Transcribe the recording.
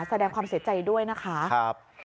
แสดงความเสียใจด้วยนะคะ